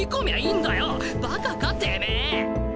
バカかてめえ！